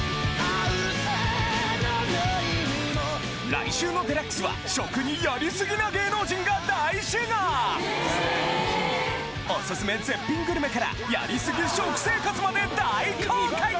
来週の『ＤＸ』は食にやりすぎな芸能人が大集合おすすめ絶品グルメからやりすぎ食生活まで大公開！